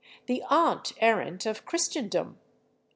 the Aunt Errant of Christendom."